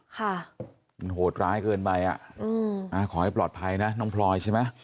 ค่ะมันโหดร้ายเกินไปอ่ะอืมอ่าขอให้ปลอดภัยนะน้องพลอยใช่ไหม